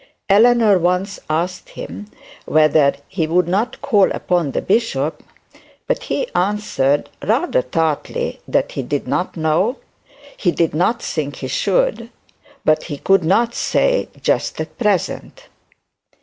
Eleanor once asked him whether he would not call upon the bishop; but he answered rather tartly that he did not know he did not think he should, but he could not say just at present.